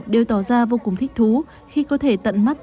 đều tỏ ra vô cùng thích thú khi có thể tận mắt